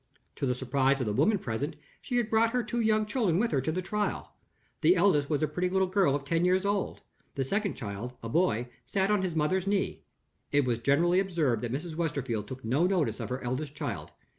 To the surprise of the women present, she had brought her two young children with her to the trial. The eldest was a pretty little girl of ten years old; the second child (a boy) sat on his mother's knee. It was generally observed that Mrs. Westerfield took no notice of her eldest child.